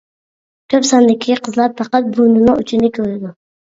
كۆپ ساندىكى قىزلار پەقەت بۇرنىنىڭ ئۇچىنى كۆرىدۇ.